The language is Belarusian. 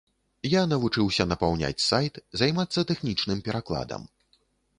Я навучыўся напаўняць сайт, займацца тэхнічным перакладам.